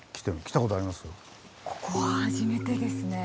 ここは初めてですね。